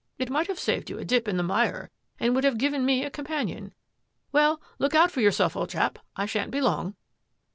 " It might have saved you a dip in the mire and would have given me a companion. Well, look out for yourself, old chap ; I shan't be long."